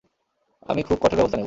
আমি খুব কঠোর ব্যবস্থা নেব।